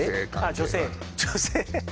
女性